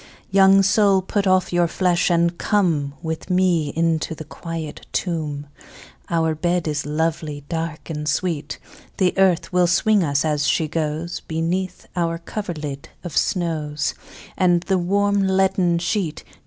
II. Young soul put off your flesh, and come With me into the quiet tomb, Our bed is lovely, dark, and sweet; The earth will swing us, as she goes, Beneath our coverlid of snows, And the warm leaden sheet.